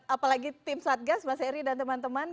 apalagi tim satgas mas eri dan teman teman